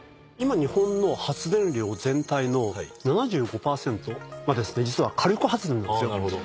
今日本の発電量全体の７５％は実は火力発電なんですよ。